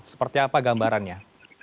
seperti apa gambarannya